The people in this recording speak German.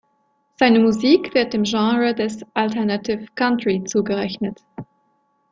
Seine Musik wird dem Genre des Alternative Country zugerechnet.